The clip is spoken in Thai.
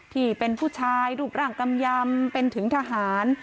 ที่เป็นผู้ชายรูปร่างกำยำเป็นถึงทหาร